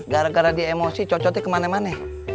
gara gara dia emosi cocoknya kemana mana